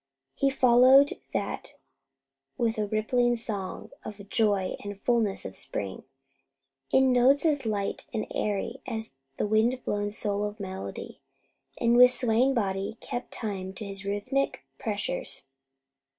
He followed that with a rippling song of the joy and fulness of spring, in notes as light and airy as the wind blown soul of melody, and with swaying body kept time to his rhythmic measures.